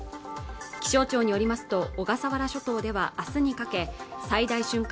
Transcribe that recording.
気象庁によりますと小笠原諸島ではあすにかけ最大瞬間